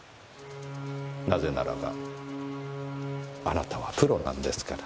なぜならばあなたはプロなんですから。